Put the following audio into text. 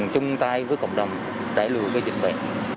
chúng ta với cộng đồng đẩy lưu cái dịch bệnh